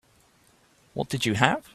What did you have?